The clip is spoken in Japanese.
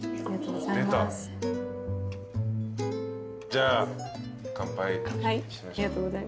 じゃあ乾杯。